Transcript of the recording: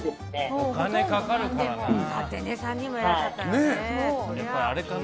お金かかるからな。